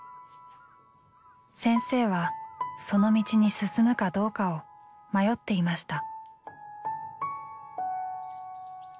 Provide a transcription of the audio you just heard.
先生はその道に進むかどうかを迷っていました。